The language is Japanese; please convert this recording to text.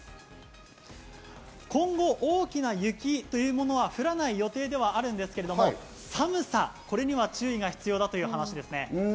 今後、大きな雪というものは、降らない予定ではあるんですけれども、寒さ、これには注意が必要だというお話です。